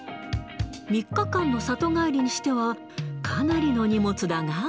３日間の里帰りにしては、かなりの荷物だが。